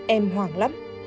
em hoảng lắm